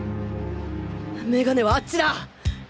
メガネはあっちだ！